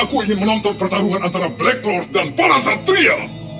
aku ingin menonton pertarungan antara black lord dan para cetri ya